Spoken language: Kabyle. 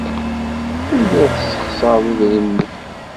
Telliḍ tessexṣareḍ idrimen-nnem.